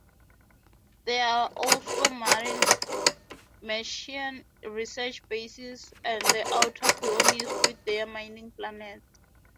There are also Martian research bases and the outer colonies, with their mining planets.